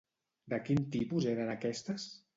De quin tipus eren aquestes?